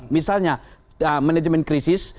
misalnya manajemen krisis